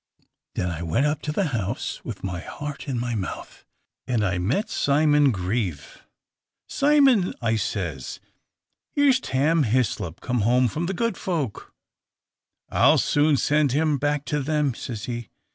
Then I went up to the house, with my heart in my mouth, and I met Simon Grieve. 'Simon,' I says, 'here's Tam Hislop come home from the good folk.' 'I 'll soon send him back to them,' says he.